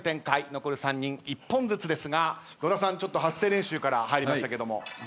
残る３人１本ずつですが野田さん発声練習から入りましたけども。